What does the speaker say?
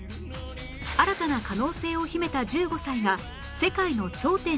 新たな可能性を秘めた１５歳が世界の頂点に挑む！